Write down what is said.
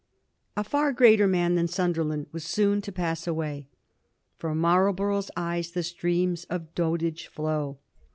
A far greater man than Sunderland was soon to pass away. From Marlborough's eyes the streams of dotage flow.